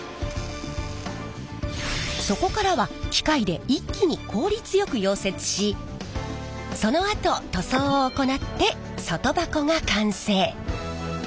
そこからは機械で一気に効率よく溶接しそのあと塗装を行って外箱が完成。